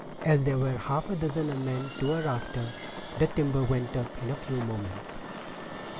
As there were half a dozen men to a rafter, the timber went up in a few moments.